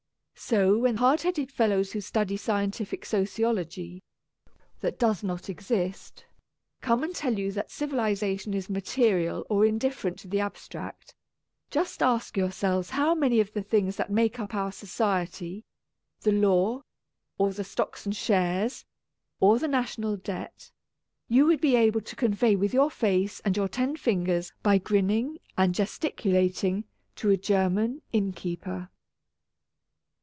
So when hard headed fellows who study scientific sociology (which does not exist) come and tell you that civilization is material or indifferent to the abstract, just ask yourselves how many of the things that make up our Society, the Law, or the Stocks and Shares, or the National Debt, you would be able to convey with your face and your ten fingers by grinning and ges ticulating to a German innkeeper.